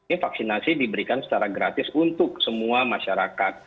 ini vaksinasi diberikan secara gratis untuk semua masyarakat